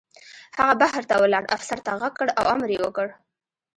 هغه بهر ولاړ افسر ته غږ کړ او امر یې وکړ